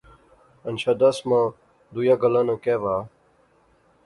ہنچھا دس ماں دویا گلاہ ناں کہیہ وہا